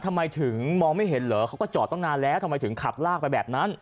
ทำไมถึงมองไม่เห็นเหรอเขาก็จอดตั้งนานแล้วทำไมถึงขับลากไปแบบนั้น